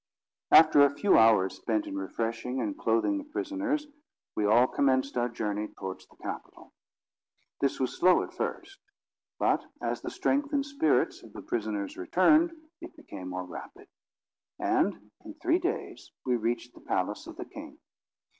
After a few hours spent in refreshing and clothing the prisoners, we all commenced our journey towards the capital. This was slow at first; but, as the strength and spirits of the prisoners returned, it became more rapid; and in three days we reached the palace of the king.